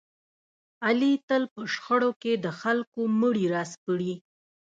علي تل په شخړو کې د خلکو مړي را سپړي.